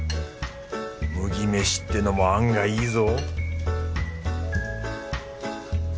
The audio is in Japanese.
麦飯ってのも案外いいぞ